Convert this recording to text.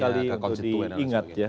ya mudah sekali untuk diingat ya